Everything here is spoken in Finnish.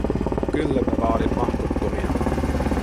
Kylläpä vaadit mahdottomia.